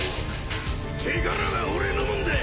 手柄は俺のもんだ！